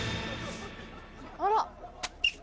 あら。